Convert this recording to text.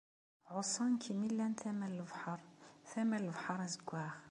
Ɛuṣan-k mi llan tama n lebḥer, tama n lebḥer azeggaɣ.